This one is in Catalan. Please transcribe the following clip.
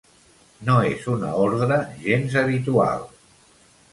No és una ordre gens habitual.